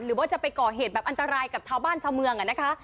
หรือว่าจะไปก่อเหตุแบบอันตรายกับชาวบ้านชาวเมืองอะนะคะ